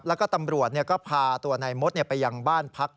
แล้วก็ตำรวจก็พาตัวนายมดไปยังบ้านพัก